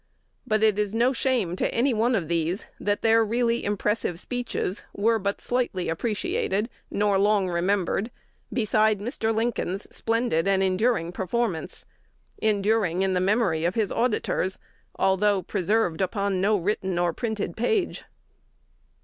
But it is no shame to any one of these, that their really impressive speeches were but slightly appreciated, nor long remembered, beside Mr. Lincoln's splendid and enduring performance, enduring in the memory of his auditors, although preserved upon no written or printed page.